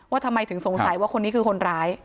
ทำไมถึงสงสัยว่าคนนี้คือคนร้าย